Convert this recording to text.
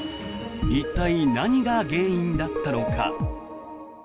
一体、何が原因だったのか。